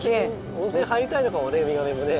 温泉入りたいのかもねウミガメもね。